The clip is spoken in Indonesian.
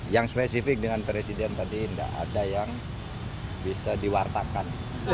yang spesifik dengan presiden tadi tidak ada yang bisa diwartakan